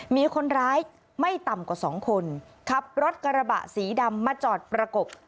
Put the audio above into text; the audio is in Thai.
มีคนร้ายไม่ต่ำกว่าสองคนขับรถกระบะสีดำมาจอดประกบ